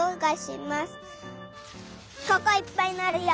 ここいっぱいなるよ。